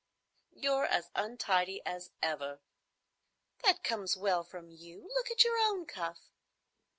"You're as untidy as ever." "That comes well from you. Look at your own cuff."